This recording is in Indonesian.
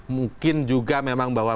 mungkin juga memang bahwa